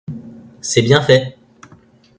C'est bien fait